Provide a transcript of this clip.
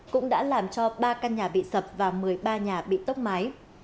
cũng đã làm cho ba căn nhà bị sập và một mươi ba nhà bị tốc mái